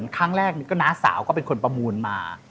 ครั้งแรกก็น้าสาวก็เป็นคนประมูลมา